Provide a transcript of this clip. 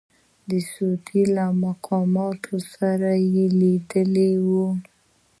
د سعودي له مقاماتو سره یې لیدلي وو.